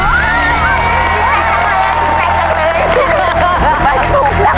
ถูกครับ